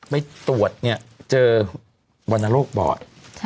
ไปตรวจเจอวัณโลกบ่อย